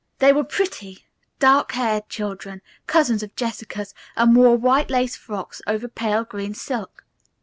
They were pretty, dark haired children, cousins of Jessica's, and wore white lace frocks over pale green silk.